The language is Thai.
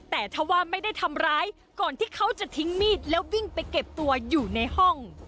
แต่ถ้าว่าไม่ได้ทำร้ายก่อนที่เขาจะทิ้งมีดแล้ววิ่งไปเก็บตัวอยู่ในห้อง